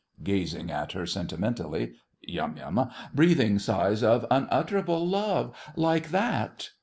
(Gazing at her sentimentally.) YUM. Breathing sighs of unutterable love—like that.